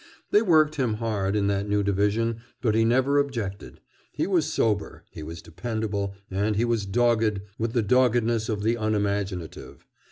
They worked him hard, in that new division, but he never objected. He was sober; he was dependable; and he was dogged with the doggedness of the unimaginative.